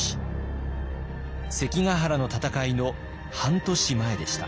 関ヶ原の戦いの半年前でした。